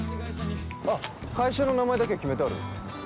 会社の名前だけは決めてある。